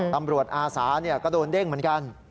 ตำรวจอาสาก็โดนเด้งเหมือนกัน